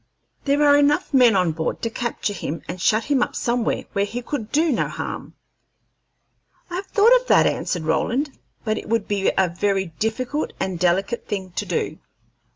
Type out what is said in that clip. "There are enough men on board to capture him and shut him up somewhere where he could do no harm." "I have thought of that," answered Roland, "but it would be a very difficult and delicate thing to do.